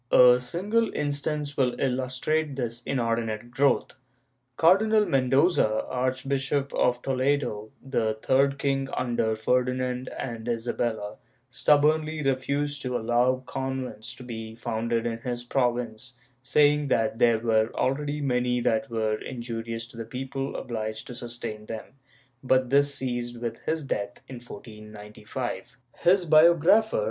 A single instance will illustrate this inordinate grow^th. Cardi nal Mendoza, Archbishop of Toledo, the "third king" under Ferdinand and Isabella, stubbornly refused to allow convents to be founded in his province, saying that there were already many that were injurious to the people obliged to sustain them, but this ceased with his death in 1495. His biographer.